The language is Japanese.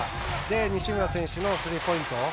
西村選手のスリーポイント。